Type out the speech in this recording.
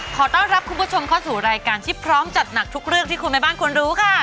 ขอต้อนรับคุณผู้ชมเข้าสู่รายการที่พร้อมจัดหนักทุกเรื่องที่คุณแม่บ้านควรรู้ค่ะ